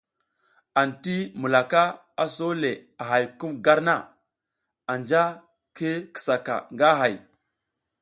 Anti mulaka a so le a hay kum gar na, anja ki kisa ka nga hay.